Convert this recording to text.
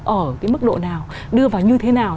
ở cái mức độ nào đưa vào như thế nào